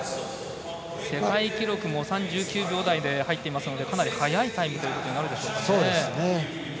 世界記録も３９秒台で入っていますのでかなり早いタイムとなるでしょうかね。